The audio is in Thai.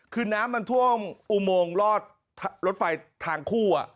คือน้ำมันท่วมอุโมงรอดรถไฟทางคู่